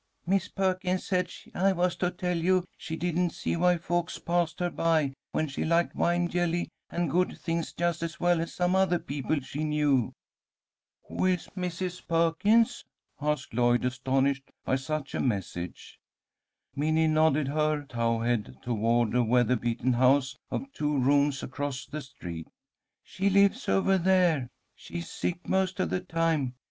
"Mis' Perkins said I was to tell you she didn't see why folks passed her by when she liked wine jelly and good things just as well as some other people she knew." "Who is Mrs. Perkins?" asked Lloyd, astonished by such a message. Minnie nodded her towhead toward a weather beaten house of two rooms across the street. "She lives over there. She's sick most of the time.